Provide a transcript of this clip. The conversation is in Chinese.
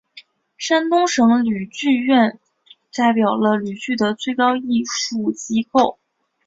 山东省吕剧院代表了吕剧的最高艺术机构。